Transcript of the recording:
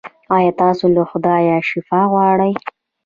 ایا تاسو له خدایه شفا غواړئ؟